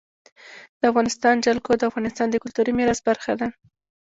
د افغانستان جلکو د افغانستان د کلتوري میراث برخه ده.